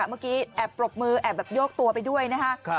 เมื่อกี้แอบปรบมือแอบแบบโยกตัวไปด้วยนะคะ